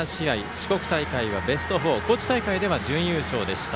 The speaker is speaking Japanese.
四国大会はベスト４高知大会では準優勝でした。